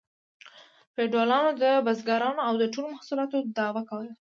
فیوډالانو د بزګرانو د ټولو محصولاتو دعوه کوله